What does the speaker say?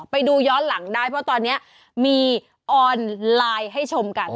ไปดูย้อนหลังได้เพราะตอนนี้มีออนไลน์ให้ชมกัน